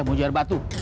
eh mau jahit batu